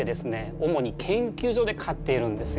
主に研究所で飼っているんですよ。